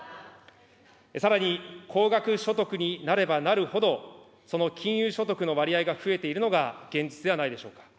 さらに、高額所得になればなるほど、その金融所得の割合が増えているのが現実ではないでしょうか。